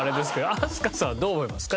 飛鳥さんはどう思いますか？